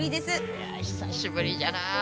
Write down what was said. いや久しぶりじゃな。